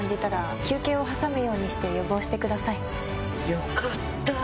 よかった。